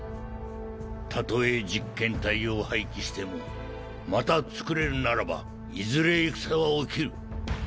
たとえ実験体を廃棄してもまたつくれるならばいずれ戦は起きる。